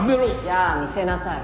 じゃあ見せなさい。